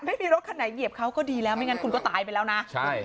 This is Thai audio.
ไม่มีรถคันไหนเหยียบเขาก็ดีแล้วไม่งั้นคุณก็ตายไปแล้วนะใช่